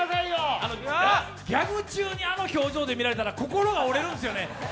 ギャグ中にあの表情で見られたら心折れるんですよね。